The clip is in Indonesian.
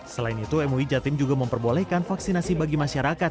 selain itu mui jatim juga memperbolehkan vaksinasi bagi masyarakat